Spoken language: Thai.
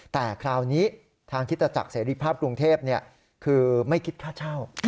แต่คราวนี้ทางคิตจักรเสรีภาพกรุงเทพคือไม่คิดค่าเช่า